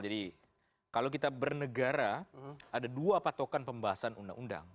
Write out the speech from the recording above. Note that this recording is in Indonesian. jadi kalau kita bernegara ada dua patokan pembahasan undang undang